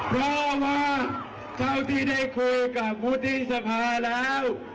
เพราะว่าเท่าที่ได้คุยกับวุฒิสภาแล้ว